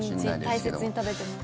毎日大切に食べてます。